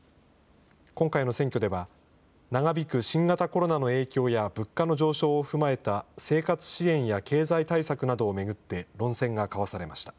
今回の選挙では、長引く新型コロナの影響や、物価の上昇を踏まえた生活支援や経済対策などを巡って、論戦が交わされました。